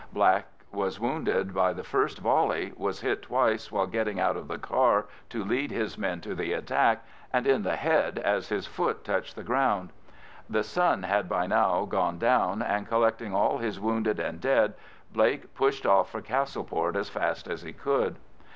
Black was wounded by the first volley, was hit twice while getting out of the car to lead his men to the attack, and in the head as his foot touched the ground. The sun had by now gone down, and collecting all his wounded and dead, Blake pushed off for Castleport as fast as he could.